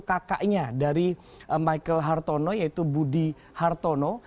kakaknya dari michael hartono yaitu budi hartono